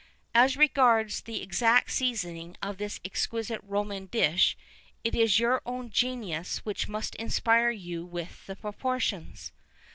[V 28] As regards the exact seasoning of this exquisite Roman dish, it is your own genius which must inspire you with the proportions.